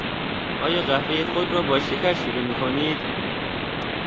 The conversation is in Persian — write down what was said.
آیا قهوهی خود را با شکر شیرین میکنید؟